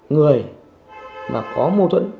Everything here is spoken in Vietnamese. người mà có mâu thuẫn